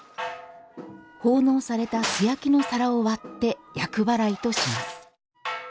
奉納された素焼きの皿を割って厄払いとします。